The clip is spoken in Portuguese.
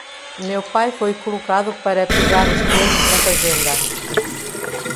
Meu pai foi colocado para pegar os coelhos na fazenda.